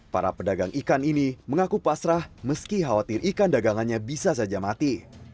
para pedagang ikan ini mengaku pasrah meski khawatir ikan dagangannya bisa saja mati